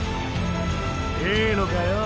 いいのかよ？